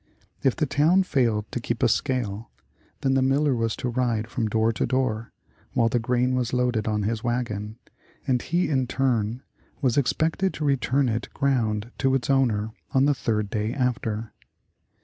If the town failed to keep a scale, then the miller was to ride from door to door, while the grain was loaded on his wagon, and he in turn, was expected to return it ground to its owner on the third day after.